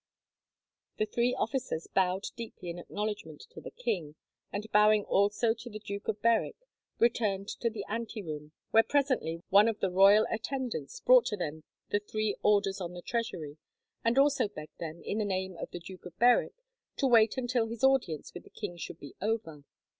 The three officers bowed deeply in acknowledgment to the king, and, bowing also to the Duke of Berwick, returned to the anteroom, where presently one of the royal attendants brought to them the three orders on the treasury, and also begged them, in the name of the Duke of Berwick, to wait until his audience with the king should be over.